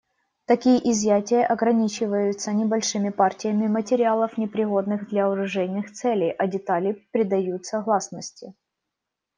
Такие изъятия ограничиваются небольшими партиями материалов, непригодных для оружейных целей, а детали предаются гласности.